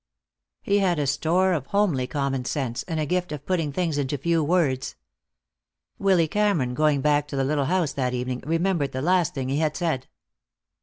He had a store of homely common sense, and a gift of putting things into few words. Willy Cameron, going back to the little house that evening, remembered the last thing he had said.